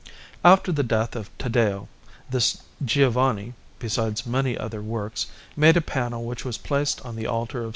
After the death of Taddeo this Giovanni, besides many other works, made a panel which was placed on the altar of S.